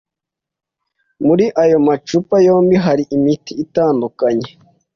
Muri ayo macupa yombi hari imiti itandukanye.